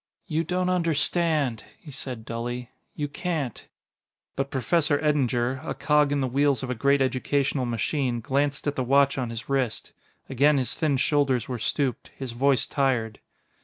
"You don't understand," he said dully; "you can't " But Professor Eddinger, a cog in the wheels of a great educational machine, glanced at the watch on his wrist. Again his thin shoulders were stooped, his voice tired.